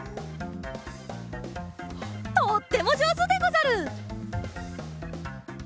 とってもじょうずでござる！